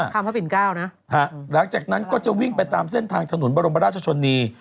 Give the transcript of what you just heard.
พระปิ่นเก้านะหลังจากนั้นก็จะวิ่งไปตามเส้นทางถนนบรมราชชนนี